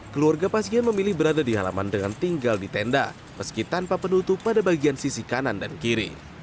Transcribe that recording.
keluarga pasien memilih berada di halaman dengan tinggal di tenda meski tanpa penutup pada bagian sisi kanan dan kiri